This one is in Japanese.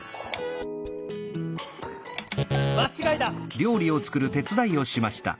「まちがいだ！」。